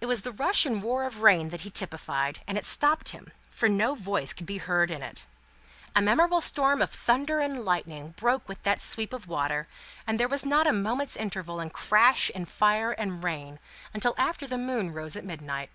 It was the rush and roar of rain that he typified, and it stopped him, for no voice could be heard in it. A memorable storm of thunder and lightning broke with that sweep of water, and there was not a moment's interval in crash, and fire, and rain, until after the moon rose at midnight.